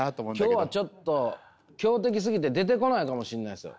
今日はちょっと強敵すぎて出てこないかもしれないですよ。